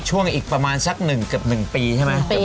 ช่วงอีกประมาณชักหนึ่งเกือบหนึ่งปีใช่ไหม